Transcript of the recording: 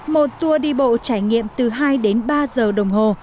một tour đi bộ trải nghiệm từ hai đến ba giờ đồng hồ